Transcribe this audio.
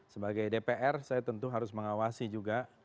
sebagai dpr saya tentu harus mengawasi juga